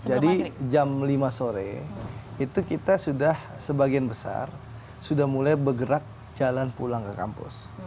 jadi jam lima sore itu kita sudah sebagian besar sudah mulai bergerak jalan pulang ke kampus